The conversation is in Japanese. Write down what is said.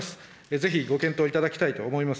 ぜひご検討いただきたいと思います。